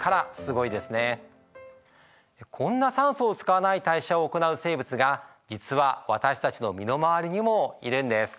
こんな酸素を使わない代謝を行う生物が実は私たちの身の回りにもいるんです。